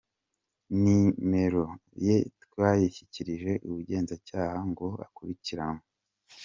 Nimero ye twayishyikirije ubugenzacyaha ngo akurikiranwe.